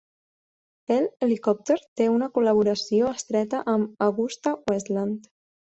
Bell Helicopter té una col·laboració estreta amb AgustaWestland.